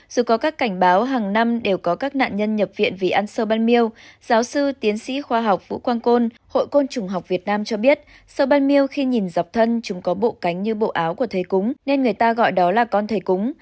dù có các cảnh báo hàng năm đều có các nạn nhân nhập viện vì ăn sâu ban mail giáo sư tiến sĩ khoa học vũ quang côn hội côn trùng học việt nam cho biết serbaneilk khi nhìn dọc thân chúng có bộ cánh như bộ áo của thầy cúng nên người ta gọi đó là con thầy cúng